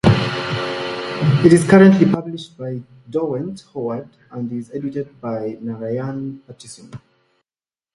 It is currently published by Derwent Howard and is edited by Narayan Pattison.